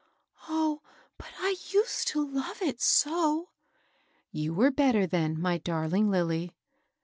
" Oh, but I used to love it so I "" You were better then, my darling Lilly."